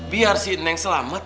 biar si neng selamat